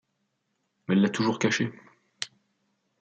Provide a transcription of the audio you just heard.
Elle l’a toujours caché.